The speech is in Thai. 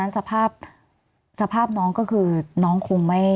มีความรู้สึกว่ามีความรู้สึกว่า